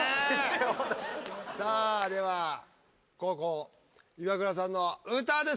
さあでは後攻イワクラさんの歌です。